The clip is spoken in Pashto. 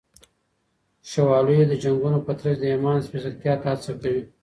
شوالیو د جنگونو په ترڅ کي د ایمان سپېڅلتیا ته هڅه کوي.